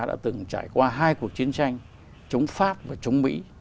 đã từng trải qua hai cuộc chiến tranh chống pháp và chống mỹ